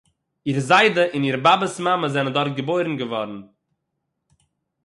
איר זיידע און איר באַבע'ס מאַמע זענען דאָרט געבוירן געוואָרן